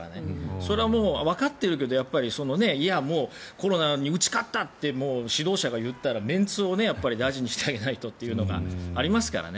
それはもうわかってるけどコロナに打ち勝ったって指導者が言ったらメンツを大事にしてあげないとというのがありますからね。